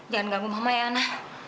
jangan ganggu mama ya anak